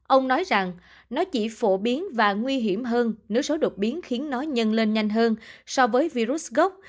ông nói rằng nó chỉ phổ biến và nguy hiểm hơn nếu số đột biến khiến nó nhân lên nhanh hơn so với virus gốc